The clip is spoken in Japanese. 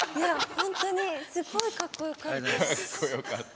本当にすごいかっこよかった。